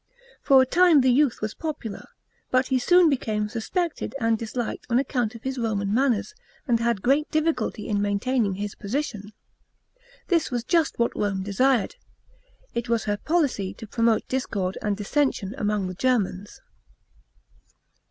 For a time the youth was popular, but he soon became suspected and disliked on account of his Roman manners, and had great difficulty in maintaining his position. This was just what Rome desired ; it was her policy to promote discord and dissension among the Germans.